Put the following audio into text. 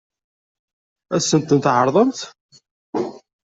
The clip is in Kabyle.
Ad sent-tent-tɛeṛḍemt?